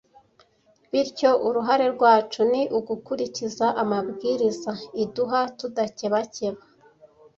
bityo uruhare rwacu ni ugukurikiza amabwiriza iduha tudakebakeba